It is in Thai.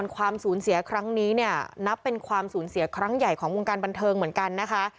ความสูญเสียครั้งนี้เนี่ยนับเป็นความสูญเสียครั้งใหญ่ของวงการบันเทิงเหมือนกันนะคะ